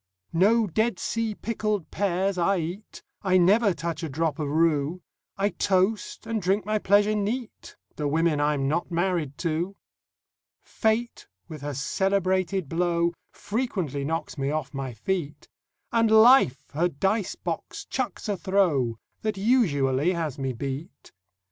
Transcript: No Dead Sea pickled pears I eat; I never touch a drop of rue; I toast, and drink my pleasure neat, The women I'm not married to! Fate with her celebrated blow Frequently knocks me off my feet; And Life her dice box chucks a throw That usually has me beat.